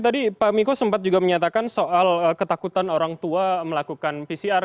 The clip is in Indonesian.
tadi pak miko sempat juga menyatakan soal ketakutan orang tua melakukan pcr